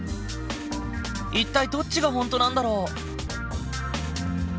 一体どっちが本当なんだろう？